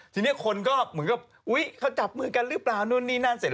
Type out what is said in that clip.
ทีนี้คนก็เหมือนกับอุ๊ยเขาจับมือกันหรือเปล่านู่นนี่นั่นเสร็จ